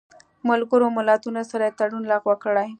ملګرو ملتونو سره یې تړون لغوه کړی